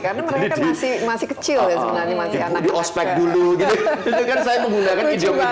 karena mereka kan masih kecil ya sebenarnya